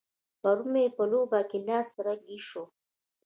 پرون مې په لوبه کې لاس رګی شو.